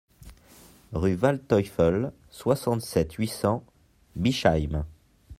Rue Waldteufel, soixante-sept, huit cents Bischheim